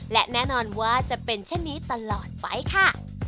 และแน่นอนว่าจะเป็นเช่นนี้ตลอดไปค่ะ